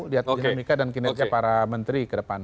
lihat dinamika dan kinerja para menteri ke depan